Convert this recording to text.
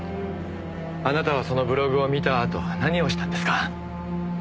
あなたはそのブログを見たあと何をしたんですか？